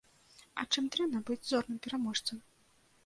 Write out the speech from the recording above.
А чым дрэнна быць зорным пераможцам?